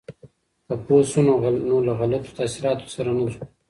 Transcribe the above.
که پوه شو، نو له غلطو تاثیراتو سره نه ځو.